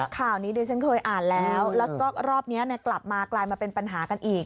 ข่าวนี้ดิฉันเคยอ่านแล้วแล้วก็รอบนี้กลับมากลายมาเป็นปัญหากันอีก